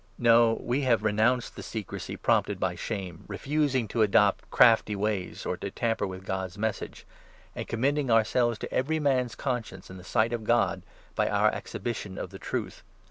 No, we have renounced the 2 secrecy prompted by shame, refusing to adopt crafty ways, or to tamper with God's Message, and commending ourselves to every man's conscience, in th« sight of God, by our exhibition of the Truth.